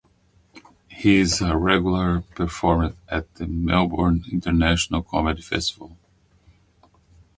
He is a regular performer at the Melbourne International Comedy Festival.